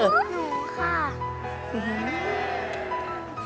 หนูค่ะ